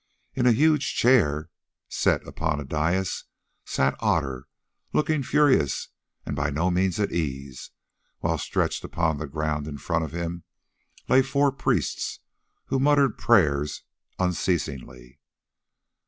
In a huge chair set upon a dais sat Otter, looking furious and by no means at ease; while stretched upon the ground in front of him lay four priests, who muttered prayers unceasingly.